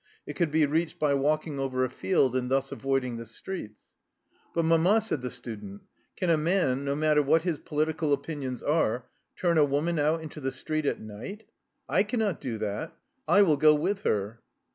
It could be reached by walking over a field and thus avoiding the streets. " But, mama," said the student, " can a man, no matter what his political opinions are, turn a woman out into the street at night? I cannot do that! / will go with her."